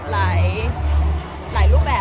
หลายรูปแบบ